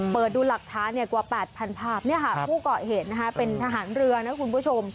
เปิดดูหลักท้าเนี่ยกว่า๘๐๐๐ภาพเนี่ยค่ะผู้เกาะเหตุเป็นทหารเรือนะครับคุณผู้ชม